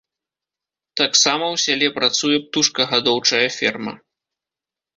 Таксама ў сяле працуе птушкагадоўчая ферма.